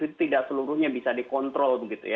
itu tidak seluruhnya bisa dikontrol